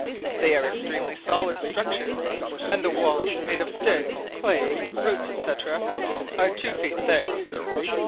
They are extremely solid structures, and the walls made of stick, clay, roots, &c., are two feet thick.